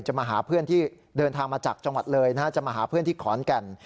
มาหาเพื่อนที่เดินทางมาจากจังหวัดเลยนะฮะจะมาหาเพื่อนที่ขอนแก่น